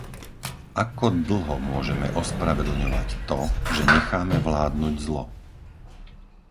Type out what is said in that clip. Ako dlho môžeme ospravedlňovať to, že necháme vládnuť zlo?